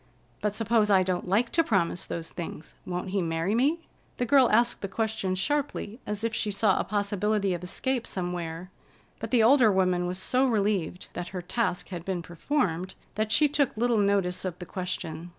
"But suppose I don't like to promise those things? Won't he marry me?" The girl asked the question sharply, as if she saw a possibility of escape somewhere; but the older woman was so relieved that her task had been performed that she took little notice of the question.